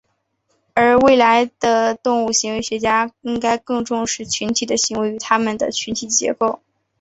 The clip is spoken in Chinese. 而未来的动物行为学家应该更重视群体的行为与它们的群体结构。